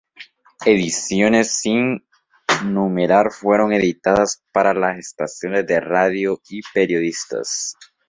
Ediciones sin numerar fueron editadas para las estaciones de radio y periodistas.